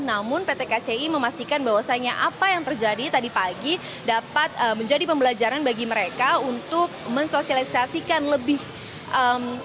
namun pt kci memastikan bahwasannya apa yang terjadi tadi pagi dapat menjadi pembelajaran bagi mereka untuk mensosialisasikan lebih baik